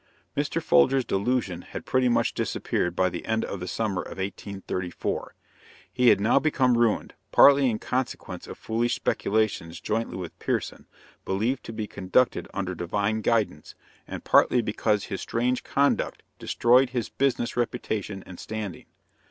Mr. Folger's delusion had pretty much disappeared by the end of the summer of 1834. He had now become ruined, partly in consequence of foolish speculations jointly with Pierson, believed to be conducted under Divine guidance, and partly because his strange conduct destroyed his business reputation and standing.